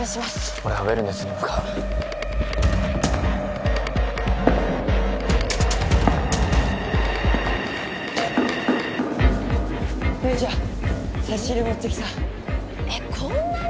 俺はウェルネスに向かう姉ちゃん差し入れ持ってきたえっこんなに？